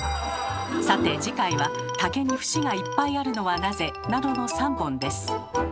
さて次回は「竹に節がいっぱいあるのはなぜ？」などの３本です。